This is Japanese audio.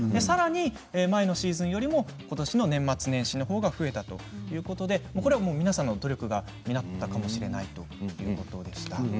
さらに前のシーズンよりもことしの年末年始のほうが増えたということで皆さんの努力が実ったかもしれないということでした。